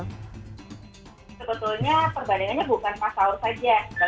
sebetulnya perbandingannya bukan pas sahur saja